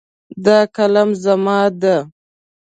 دا قلم زما ده